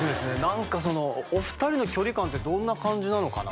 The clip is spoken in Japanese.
何かそのお二人の距離感ってどんな感じなのかな